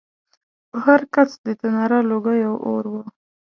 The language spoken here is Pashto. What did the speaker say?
پر هر کڅ د تناره لوګی او اور و